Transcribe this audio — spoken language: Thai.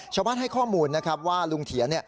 ชาวบ้านให้ข้อมูลว่าลุงเถียน